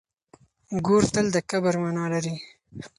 ګور تل د کبر مانا لري.